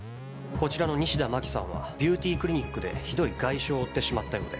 こちらの西田真紀さんはビューティークリニックでひどい外傷を負ってしまったようで。